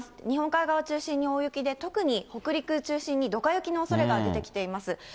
日本海側を中心に大雪で、特に北陸中心に、どか雪のおそれが出てきています。